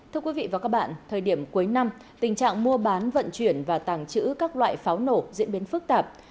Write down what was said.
thưa quý vị và các bạn thời điểm cuối năm tình trạng mua bán vận chuyển và tàng trữ các loại pháo nổ diễn biến phức tạp